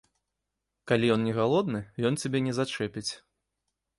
Калі ён не галодны, ён цябе не зачэпіць.